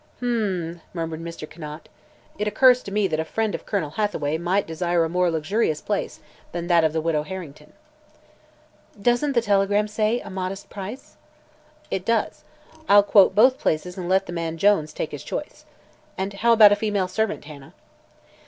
"H m m!" murmured Mr. Conant. "It occurs to me that a friend of Colonel Hathaway might desire a more luxurious home than that of the Widow Harrington." "Doesn't the telegram say 'a modest price'?" "It does. I'll quote both places and let the man Jones take his choice. And how about the female servant, Hannah?"